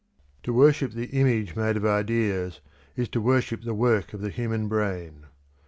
To worship the image made of ideas is to worship the work of the human brain.